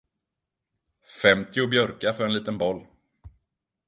Femtio björkar för en liten boll.